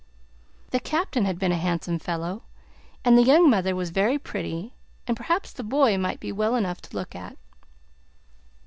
The Captain had been a handsome fellow, and the young mother was very pretty, and perhaps the boy might be well enough to look at.